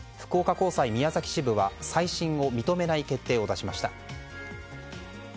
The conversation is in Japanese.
高裁宮崎支部は再審を認めない決定を出しました。